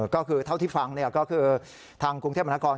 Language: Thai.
ก็คือเท่าที่ฟังก็คือทางกรุงเทพมหานคร